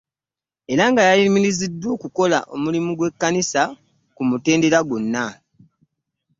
Era nga yayimiriziddwa okukola obuweereza bw'ekkanisa ku mutendera gwonna